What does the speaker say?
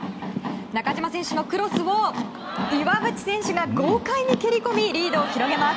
中島選手のクロスを岩渕選手が豪快に蹴り込みリードを広げます。